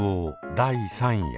第３夜